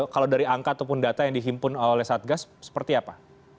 kalau dari angka ataupun data yang dihimpun oleh satgas seperti apa